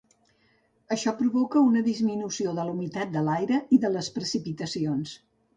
Això provoca una disminució de la humitat de l'aire i de les precipitacions.